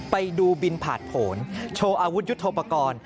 ไปดูบินผ่านผลโชว์อาวุธยุทธโปรกรณ์